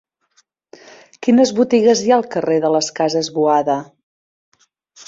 Quines botigues hi ha al carrer de les Cases Boada?